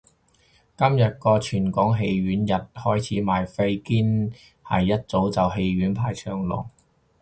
今日個全港戲院日開始賣飛，堅係一早就戲院排長龍